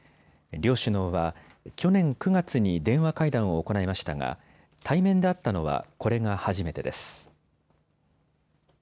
両首脳は去年９月に電話会談を行いましたが対面で会ったのはこれが初めてです。